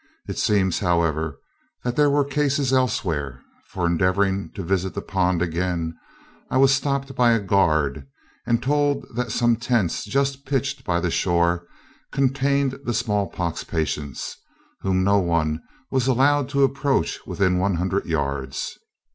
It seems, however, there were cases elsewhere; for, endeavoring to visit the pond again, I was stopped by a guard, and told that some tents just pitched by the shore contained the small pox patients, whom no one was allowed to approach within one hundred yards.